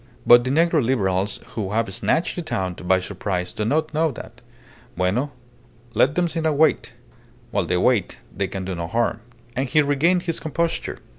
But the negro Liberals who have snatched the town by surprise do not know that. Bueno. Let them sit and wait. While they wait they can do no harm." And he regained his composure.